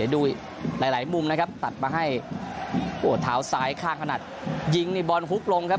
ดูหลายหลายมุมตัดมาให้โอ้โหถาวซ้ายข้างขนาดยิงบอลฮุ๊กลงครับ